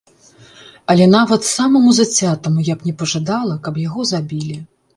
Але нават самаму зацятаму я б не пажадала, каб яго забілі.